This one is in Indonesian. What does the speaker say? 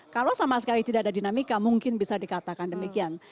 kalau sama sekali tidak ada dinamika mungkin bisa dikatakan demikian